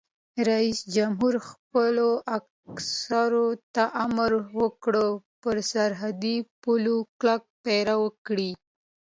رئیس جمهور خپلو عسکرو ته امر وکړ؛ پر سرحدي پولو کلک پیره وکړئ!